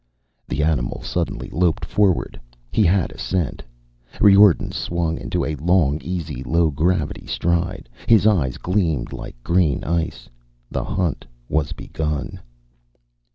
The animal suddenly loped forward. He had a scent. Riordan swung into a long, easy low gravity stride. His eyes gleamed like green ice. The hunt was begun!